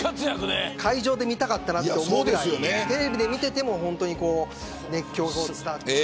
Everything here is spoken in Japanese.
会場で見たかったなと思うぐらいテレビで見てても熱狂が伝わってきた。